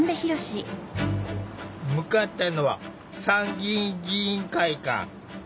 向かったのは参議院議員会館。